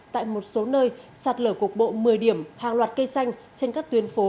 tại một số nơi sạt lở cuộc bộ một mươi điểm hàng loạt cây xanh trên các tuyến phố